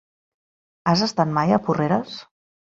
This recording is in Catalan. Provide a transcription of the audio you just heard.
Has estat mai a Porreres?